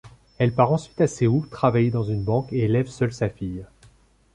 Elle part ensuite à Séoul travailler dans une banque et élève seule sa fille.